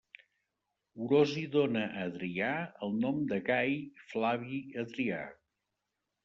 Orosi dóna a Adrià el nom de Gai Flavi Adrià.